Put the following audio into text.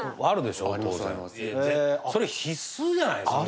それ必須じゃないですか